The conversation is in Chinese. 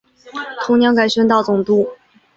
同年改宣大总督。